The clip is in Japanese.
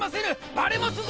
バレますぞ！